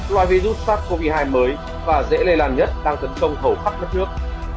loài virus sars cov hai mới và dễ lây lan nhất đang tấn trông thầu khắp nước nước